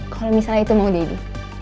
kalau misalnya itu mau jadi